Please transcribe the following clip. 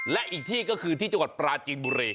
และอีกที่ก็คือที่จังหวัดปราจีนบุรี